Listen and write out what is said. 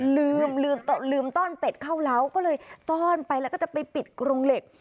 ลืมลืมต้อนเป็ดเข้าเล้าก็เลยต้อนไปแล้วก็จะไปปิดกรงเหล็ก